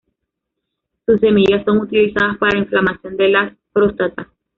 Sus semillas son utilizadas para inflamación de la próstata.